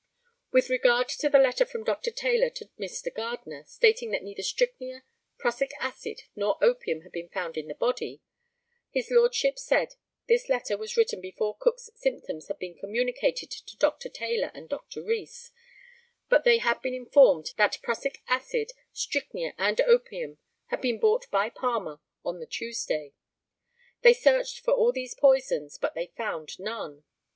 With regard to the letter from Dr. Taylor to Mr. Gardner, stating that neither strychnia, prussic acid, nor opium had been found in the body, his Lordship said this letter was written before Cook's symptoms had been communicated to Dr. Taylor and Dr. Rees; but they had been informed that prussic acid, strychnia, and opium had been bought by Palmer on the Tuesday. They searched for all these poisons, but they found none.